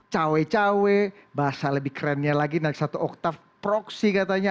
cewe cewe bahasa lebih kerennya lagi naik satu oktav proksi katanya